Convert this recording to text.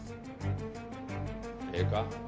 ええか？